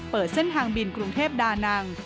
เปิดเส้นทางบินกรุงเทพดานัง